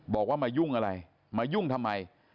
บอกว่ามายุ่งอะไรมายุ่งทำไม